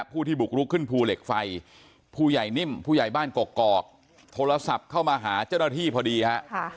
ผู้ที่บุกลุกขึ้นภูเหล็กไฟผู้ใหญ่นิ่มผู้ใหญ่บ้านกกอกโทรศัพท์เข้ามาหาเจ้าหน้าที่พอดีฮะ